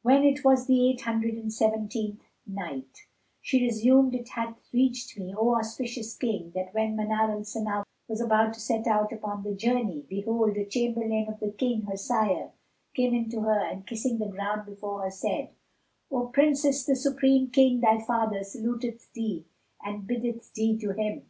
When it was the Eight Hundred and Seventeenth Night, She resumed, It hath reached me, O auspicious King, that when Manar al Sana was about to set out upon the journey, behold, a chamberlain of the King, her sire, came in to her and kissing the ground before her, said, "O Princess, the Supreme King, thy father saluteth thee and biddeth thee to him."